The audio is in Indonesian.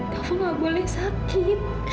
kava tidak boleh sakit